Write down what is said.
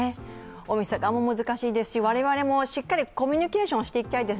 お店側も難しいですし、我々もしっかりコミュニケーションしていきたいです。